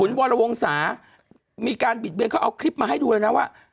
วรวงศามีการบิดเวียนเขาเอาคลิปมาให้ดูเลยนะว่า